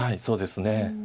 そうですね。